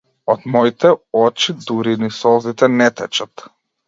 Од моите очи дури ни солзите не течат.